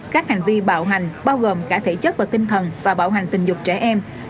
các hành vi bạo hành bao gồm cả thể chất và tinh thần và bạo hành tình dục trẻ em